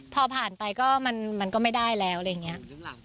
พอผ่านไปก็มันก็ไม่ได้แล้วอะไรอย่างนี้